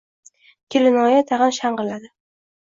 Kelinoyi tag‘in shang‘illadi.